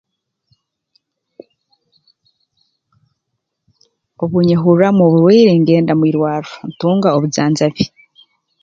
Obu nyehurraamu oburwaire ngenda mu irwarro ntunga obujanjabi